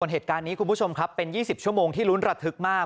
เหตุการณ์นี้คุณผู้ชมครับเป็น๒๐ชั่วโมงที่ลุ้นระทึกมาก